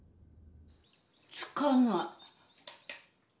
つかない。